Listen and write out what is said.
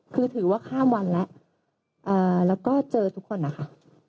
คือถือว่าข้ามวันแล้วแล้วก็เจอทุกคนนะคะ